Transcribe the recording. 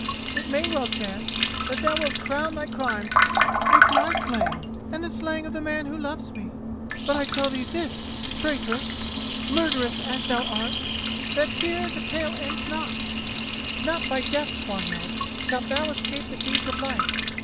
It may well chance that thou wilt crown thy crimes with my slaying and the slaying of the man who loves me. But I tell thee this, traitress—murderess, as thou art—that here the tale ends not. Not by death, Swanhild, shalt thou escape the deeds of life!